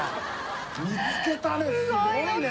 見つけたねすごいね。